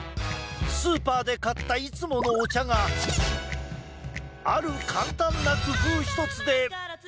スーパーで買ったいつものお茶がある簡単な工夫１つで。